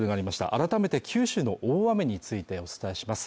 改めて九州の大雨についてお伝えします